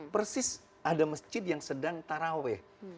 persis ada masjid yang sedang taraweh